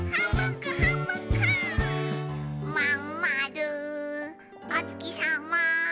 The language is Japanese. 「まんまるおつきさま」